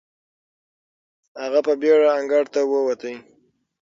هغه په بېړه انګړ ته وووت.